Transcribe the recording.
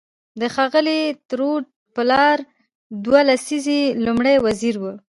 د ښاغلي ترودو پلار دوه لسیزې لومړی وزیر و.